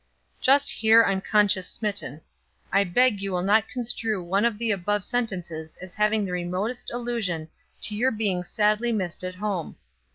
Just here I'm conscience smitten. I beg you will not construe one of the above sentences as having the remotest allusion to your being sadly missed at home.